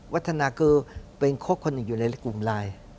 วัฒนาก็เป็นโค้ชคนอยู่ในกลุ่มลาย